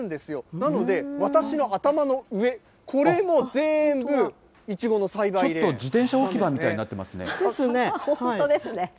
なので、私の頭の上、これも全部、ちょっと自転車置き場みたい本当ですね。